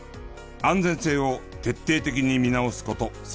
安全性を徹底的に見直す事３年。